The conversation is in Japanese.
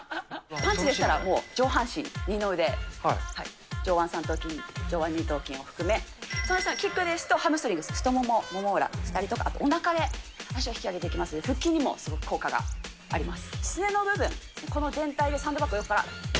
パンチでしたらもう上半身、二の腕、上腕三頭筋、上腕二頭筋含め、その下のキックですとハムストリング、太もも、もも裏、あとおなかで足を引き上げていきますので、腹筋にもすごく効果があります。